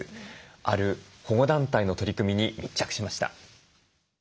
ある保護団体の取り組みに密着しました。